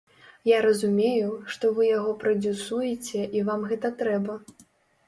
Я разумею, што вы яго прадзюсуеце і вам гэта трэба.